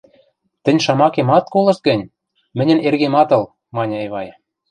— Тӹнь шамакем ат колышт гӹнь, мӹньӹн эргем ат ыл, — маньы Эвай.